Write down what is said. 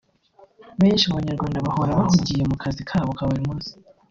Benshi mu Banyarwanda bahora bahugiye mu kazi kabo ka buri munsi